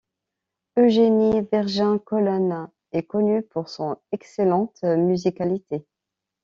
Eugénie Vergin Colonne est connue pour son excellente musicalité.